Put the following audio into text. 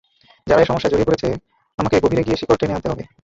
যারা এ সমস্যায় জড়িয়ে পড়েছে, আমাকে গভীরে গিয়ে শিকড় টেনে আনতে হবে।